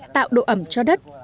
tạo độ ẩm cho đất